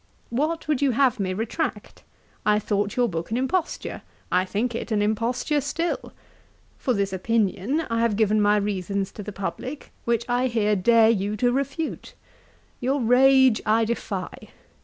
'What would you have me retract? I thought your book an imposture; I think it an imposture still. For this opinion I have given my reasons to the publick, which I here dare you to refute. Your rage I defy.